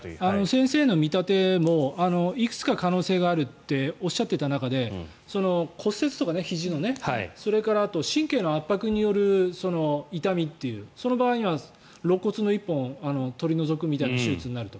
先生の見立てもいくつか可能性があるっておっしゃってた中でひじの骨折とか神経の圧迫による痛みというその場合にはろっ骨の１本を取り除くような手術になると。